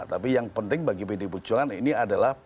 tapi yang penting bagi pdi perjuangan ini adalah